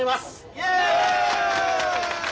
イエイ！